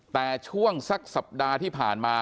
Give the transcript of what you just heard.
แต่ช่วงสักสัปดาห์ที่ผ่านมา